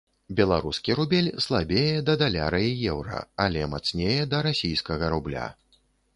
Беларускі рубель слабее да даляра і еўра, але мацнее да расійскага рубля.